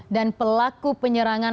dan pelaku penyerangan